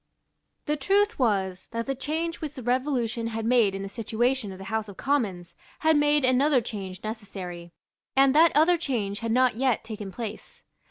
The truth was that the change which the Revolution had made in the situation of the House of Commons had made another change necessary; and that other change had not yet taken place.